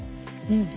うん。